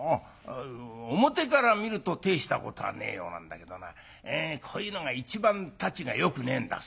「外から見ると大したことはねえようなんだけどなこういうのが一番たちがよくねえんだそうだ」。